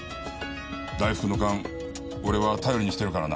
大福の勘俺は頼りにしてるからな。